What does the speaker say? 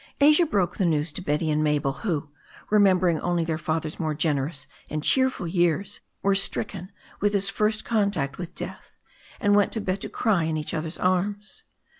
Asia broke the news to Betty and Mabel, who, remembering only their father's more generous and cheerful years, were stricken with this first contact with death, and went to bed to cry in each other's arms.